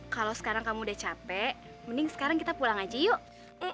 kalau sekarang kamu udah capek mending sekarang kita pulang aja yuk